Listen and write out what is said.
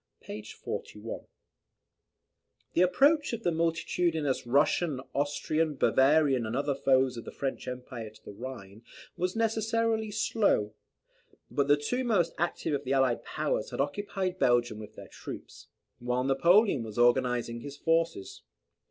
p. 41.] The approach of the multitudinous Russian, Austrian, Bavarian, and other foes of the French Emperor to the Rhine was necessarily slow; but the two most active of the allied powers had occupied Belgium with their troops, while Napoleon was organizing his forces.